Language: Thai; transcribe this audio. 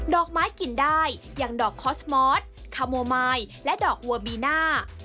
อกไม้กินได้อย่างดอกคอสมอสคาโมมายและดอกวัวบีน่า